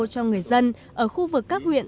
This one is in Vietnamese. cho người dân ở khu vực các huyện